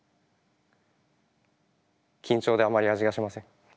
緊張であまり味がしません。